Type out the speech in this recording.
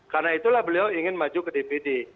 karena itulah beliau ingin maju ke dpd